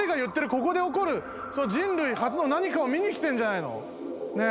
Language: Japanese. ここで起こる人類初の何かを見に来てるんじゃないの？ねえ？